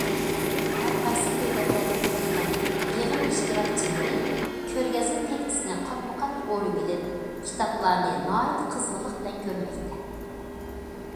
ھەرقايسى دۆلەتلەردىن كەلگەن يىغىن ئىشتىراكچىلىرى كۆرگەزمە تەكچىسىنى قاتمۇقات ئورىۋېلىپ، كىتابلارنى ناھايىتى قىزغىنلىق بىلەن كۆرمەكتە.